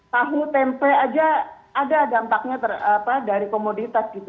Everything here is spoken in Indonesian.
tahu tempe aja ada dampaknya dari komoditas gitu